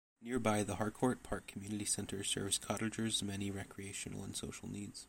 Nearby, the Harcourt Park Community Center serves cottagers' many recreational and social needs.